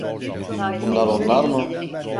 Bunlar onlar mı?